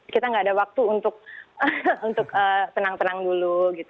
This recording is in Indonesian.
kita enggak ada waktu untuk tenang tenang dulu gitu